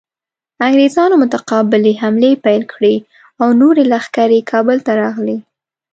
انګریزانو متقابلې حملې پیل کړې او نورې لښکرې کابل ته راغلې.